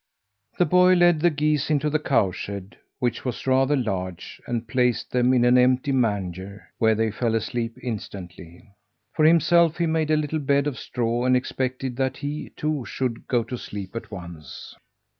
The boy led the geese into the cowshed, which was rather large, and placed them in an empty manger, where they fell asleep instantly. For himself, he made a little bed of straw and expected that he, too, should go to sleep at once.